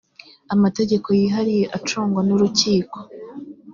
amategeko yihariye acungwa nurukiko.